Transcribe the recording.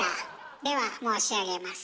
では申し上げます。